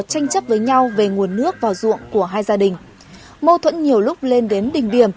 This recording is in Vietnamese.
tranh chấp với nhau về nguồn nước vào ruộng của hai gia đình mâu thuẫn nhiều lúc lên đến đỉnh điểm